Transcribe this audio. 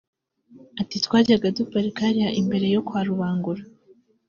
Ati “Twajyaga duparika hariya imbere yo kwa Rubangura